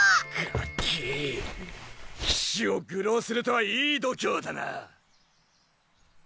ガキ騎士を愚弄するとはいい度胸だな。